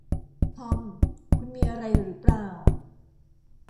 ทอม คุณมีอะไรหรือเปล่า